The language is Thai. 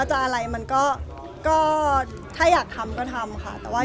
ชนต้องไปทำบุญที่นี่ที่นั่น